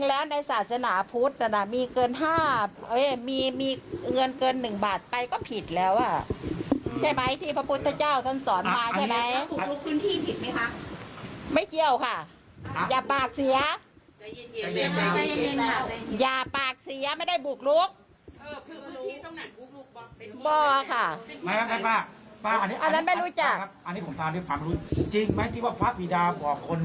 อันนี้ผมตามได้ฝากรู้จริงไหมที่ว่าพระบิดาบอกคน